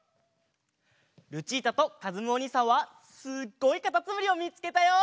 ルチータとかずむおにいさんはすっごいかたつむりをみつけたよ。